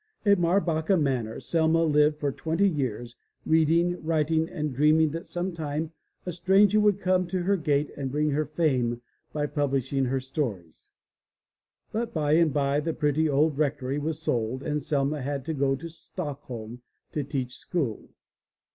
At Marbacka Manor Selma lived for twenty years, reading, writing, and dreaming that sometime a stranger would come to her gate and bring her fame by publishing her stories. But by and by the pretty old rectory was sold and Selma had to go to Stockholm to teach school.